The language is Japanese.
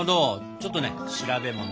ちょっとね調べもの。